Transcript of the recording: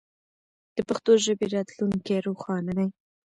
د پښتو ژبې راتلونکی روښانه دی.